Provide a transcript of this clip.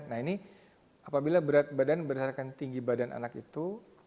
nah ini apabila berat badan berdasarkan tinggi badan anak itu